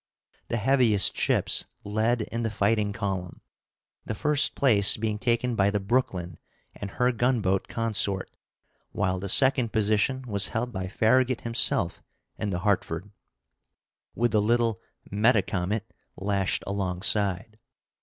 The heaviest ships led in the fighting column, the first place being taken by the Brooklyn and her gunboat consort, while the second position was held by Farragut himself in the Hartford, with the little Metacomet lashed alongside.